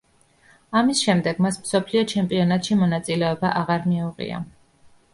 ამის შემდეგ მას მსოფლიო ჩემპიონატში მონაწილეობა აღარ მიუღია.